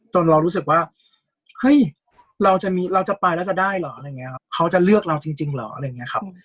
จนเรารู้สึกว่าเราจะไปแล้วจะได้เหรอเขาจะเลือกเราจริงเหรอ